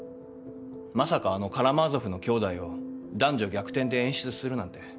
まさかあの『カラマーゾフの兄弟』を男女逆転で演出するなんて。